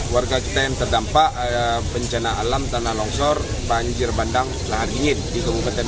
warga kita yang terdampak bencana alam tanah longsor banjir bandang lahan dingin di kabupaten